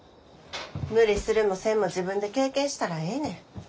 無理するもせんも自分で経験したらええねん。